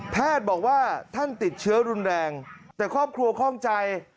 บอกว่าท่านติดเชื้อรุนแรงแต่ครอบครัวคล่องใจ